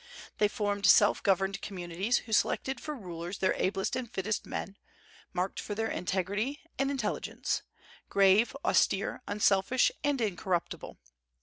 They formed self governed communities, who selected for rulers their ablest and fittest men, marked for their integrity and intelligence, grave, austere, unselfish, and incorruptible.